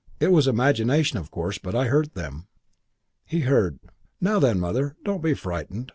It was imagination, of course. But I heard them." He heard, "Now then, Mother! Don't be frightened.